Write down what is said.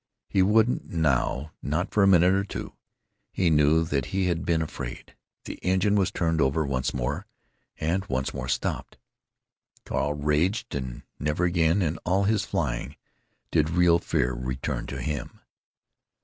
He wouldn't, now, not for a minute or two. He knew that he had been afraid. The engine was turned over once more—and once more stopped. Carl raged, and never again, in all his flying, did real fear return to him.